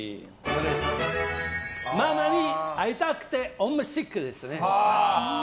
ママに会いたくてホームシックですね。